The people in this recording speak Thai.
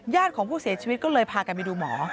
ของผู้เสียชีวิตก็เลยพากันไปดูหมอ